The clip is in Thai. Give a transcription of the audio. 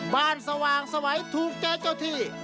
บ้านสว่างสวัยถูกเจ๊เจ้าที่